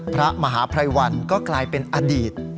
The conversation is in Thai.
พระมหาภัยวันก็กลายเป็นอดีต